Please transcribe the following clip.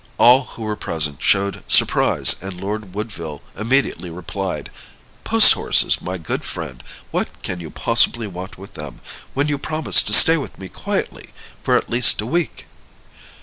All who were present showed surprise, and Lord Woodville immediately replied: "Post horses, my good friend! What can you possibly want with them, when you promised to stay with me quietly for at least a week?"